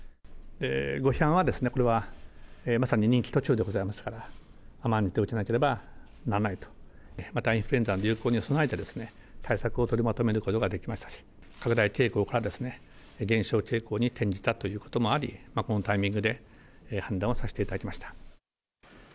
ご批判はこれは、まさに任期途中でございますから、甘んじて受けなければならないと、またインフルエンザの流行に備えて対策を取りまとめることができましたし、拡大傾向から減少傾向に転じたということもあり、このタイミングで判断をさせていただきました。